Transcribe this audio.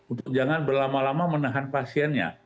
untuk jangan berlama lama menahan pasiennya